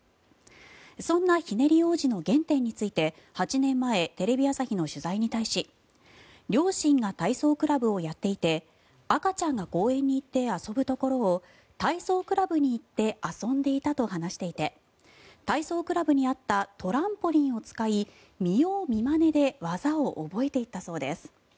そんなひねり王子の原点について８年前テレビ朝日の取材に対し両親が体操クラブをやっていて赤ちゃんが公園に行って遊ぶところを体操クラブに行って遊んでいたと話していて体操クラブにあったトランポリンを使い見よう見まねで技を覚えていったそうです。